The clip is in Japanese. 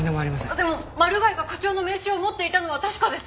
でもマル害が課長の名刺を持っていたのは確かです。